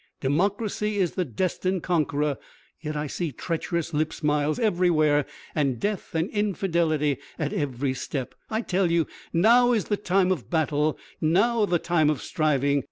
Democracy is the destined conqueror, yet I see treacherous lip smiles everywhere and death and infidelity at every step. I tell you, now is the time of battle, now the time of striving.